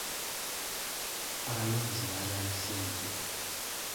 Abalonzi baagala ssente.